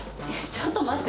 ちょっと待って。